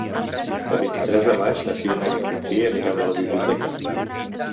El vint-i-tres de maig na Fiona i en Quintí aniran a la biblioteca.